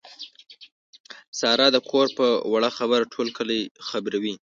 ساره د کور په وړه خبره ټول کلی خبروي.